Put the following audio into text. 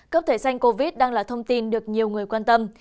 cấp thể xanh covid đang là thông tin được nhiều người quan tâm